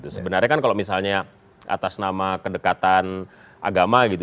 sebenarnya kan kalau misalnya atas nama kedekatan agama gitu